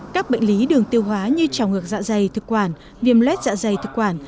các bệnh lý đường tiêu hóa như trào ngược dạ dày thực quản viêm lết dạ dày thực quản